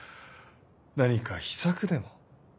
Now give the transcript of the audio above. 何か秘策でも？